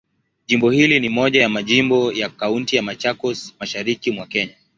Jimbo hili ni moja ya majimbo ya Kaunti ya Machakos, Mashariki mwa Kenya.